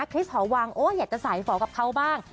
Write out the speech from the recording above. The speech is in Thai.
คริสหอวังโอ้อยากจะสายฝอกับเขาบ้าง